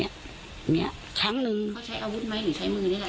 เขาใช้อาวุธไหมหรือใช้มืออะไร